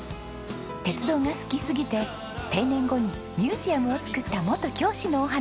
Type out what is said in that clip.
鉄道が好きすぎて定年後にミュージアムを造った元教師のお話。